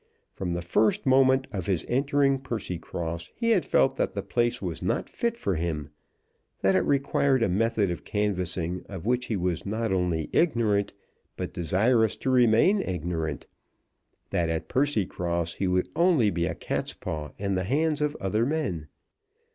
From the first moment of his entering Percycross he had felt that the place was not fit for him, that it required a method of canvassing of which he was not only ignorant, but desirous to remain ignorant, that at Percycross he would only be a catspaw in the hands of other men.